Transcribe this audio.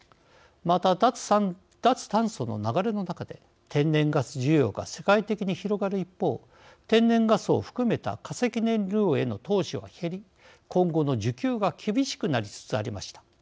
また、脱炭素の流れの中で天然ガス需要が世界的に広がる一方天然ガスを含めた化石燃料への投資は減り今後の需給は厳しくなりつつありました。